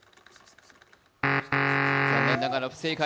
残念ながら不正解。